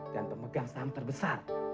dan pemegang saham terbesar